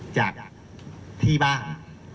จากพี่บ้าง